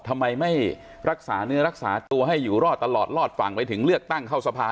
ทำไมไม่รักษาเนื้อรักษาตัวให้อยู่รอดตลอดรอดฝั่งไปถึงเลือกตั้งเข้าสภา